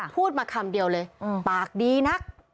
พูดมาคำเดียวเลยปากดีนัก